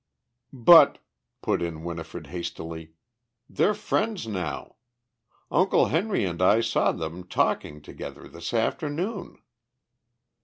"But," put in Winifred hastily, "they're friends now. Uncle Henry and I saw them talking together this afternoon."